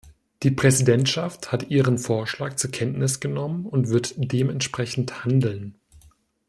Die Präsidentschaft hat Ihren Vorschlag zur Kenntnis genommen und wird dementsprechend handeln.